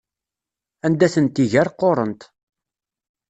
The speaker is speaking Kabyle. Anda tent-iger qquṛent.